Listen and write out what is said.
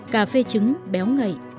cà phê trứng béo ngậy